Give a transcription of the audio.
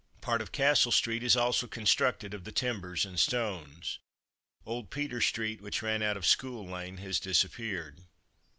Part of Castle street is also constructed of the timbers and stones. Old Peter street which ran out of School lane has disappeared.